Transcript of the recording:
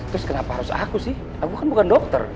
terus kenapa harus aku sih aku kan bukan dokter